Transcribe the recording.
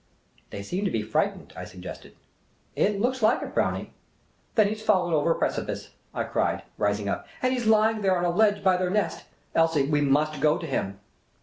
" They seem to be frightened," I suggested. It looks like it. Brownie," " Then he 's fallen over a precipice !" I cried, rising up ;" and he 's lying there on a ledge by their nest. Elsie, we must go to him